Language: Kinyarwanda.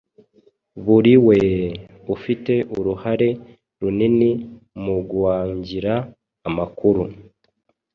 buriwee ufite uruhare runini muguangira amakuru